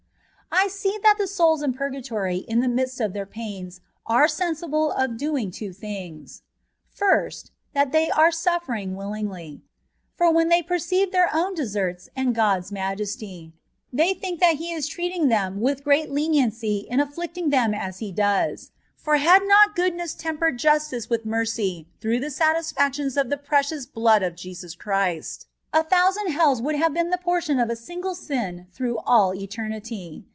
I SEE that the souls in purgatory in the midst of their pains are sensible of doing two things : First, that they are suffering willingly; for when they perceive their own deserta and God's majesty, they think that He is treating them with great leniency in afflicting them as He does ; for had not goodness tempered justice with mercy through the satisfactions of the precious Blood of Jesus Christ, a thousand hells would have been the portion of a single sin through ali etemity.